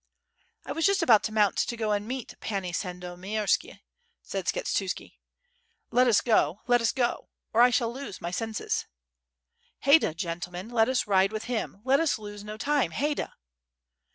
"I was just about to mount to go to meet Pani Sando mierska," said Skshetuski. "Let us go, let us go! or I shall lose my senses." "Hayda, gentlemen, let us ride with him, let us lose no time, Hayda!"